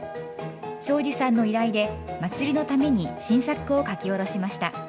庄司さんの依頼でまつりのために新作を書き下ろしました。